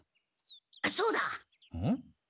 そうだ！ん？